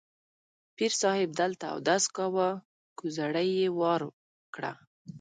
پیر صاحب دلته اودس کاوه، کوزړۍ یې وار کړه.